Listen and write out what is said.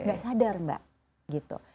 gak sadar mbak gitu